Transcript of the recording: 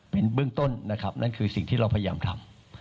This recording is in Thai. เป็นเบื้องต้นนะครับนั่นคือสิ่งที่เราพยายามทำ